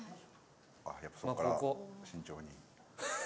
やっぱそこから慎重に。